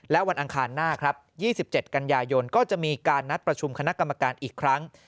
และวันอังคารหน้าครับ๒๗กันยายนก็จะมีการนัดประชุมคณะกรรมการอีกครั้ง